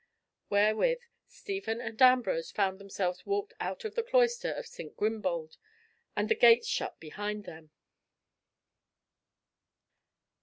Wherewith Stephen and Ambrose found themselves walked out of the cloister of St. Grimbald, and the gates shut behind them.